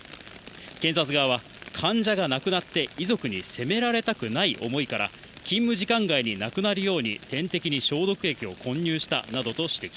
検察側は患者が亡くなって遺族に責められたくない思いから勤務時間外になくなるように点滴に消毒液を購入したなどと指摘。